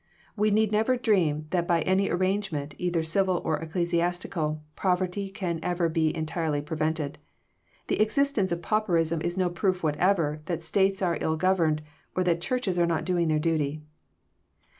We need never dream that by any arrangement, either civil or ecclesiastical, poverty can ever be entirely prevented. The ex istence of pauperism is no proof whatever that States are ill governed, or that churches are not doing their duty.